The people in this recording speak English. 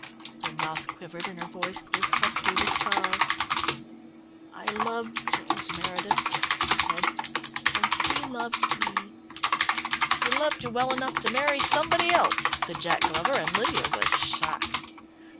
Her mouth quivered and her voice grew husky with sorrow. "I loved James Meredith," she said, "and he loved me." "He loved you well enough to marry somebody else," said Jack Glover, and Lydia was shocked.